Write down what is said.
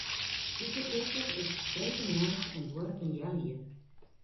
Dizze kursus is freedtemoarns en duorret in heal jier.